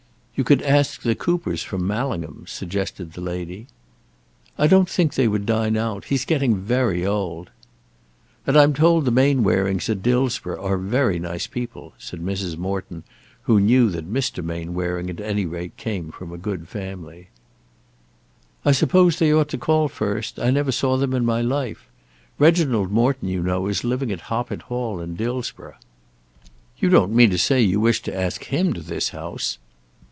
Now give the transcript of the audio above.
"You could ask the Coopers from Mallingham," suggested the lady. "I don't think they would dine out. He's getting very old." "And I'm told the Mainwarings at Dillsborough are very nice people," said Mrs. Morton, who knew that Mr. Mainwaring at any rate came from a good family. "I suppose they ought to call first. I never saw them in my life. Reginald Morton, you know, is living at Hoppet Hall in Dillsborough." "You don't mean to say you wish to ask him to this house?"